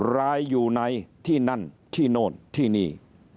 รายอยู่ในที่นั่นที่โน่นที่นี่